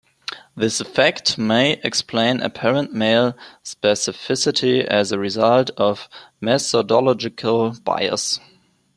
This effect may explain apparent male specificity as a result of methodological bias.